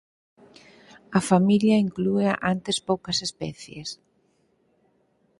A familia incluía antes poucas especies.